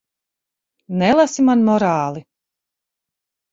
Nelasi man morāli.